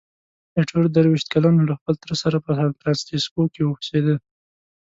ایټور درویشت کلن وو، له خپل تره سره په سانفرانسیسکو کې اوسېده.